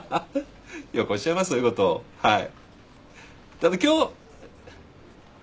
はい。